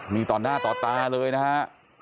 มีต่อหน้าต่อตาเลยนะฮะ